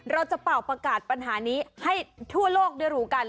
เป่าประกาศปัญหานี้ให้ทั่วโลกได้รู้กัน